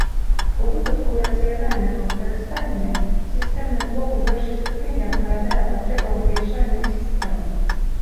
У выпадку рацыянальнага выкарыстання, сістэмны блок у большай ступені адпавядае патрэбам вылічальнай сістэмы.